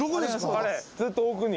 あれずっと奥に。